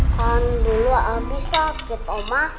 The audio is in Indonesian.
kan dulu abi sakit omah